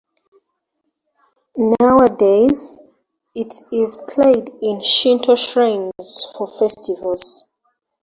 Nowadays, it is played in Shinto shrines for festivals.